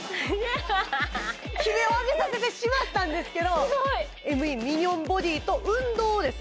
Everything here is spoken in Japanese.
悲鳴をあげさせてしまったんですけどＭＥミニョンボディと運動をですね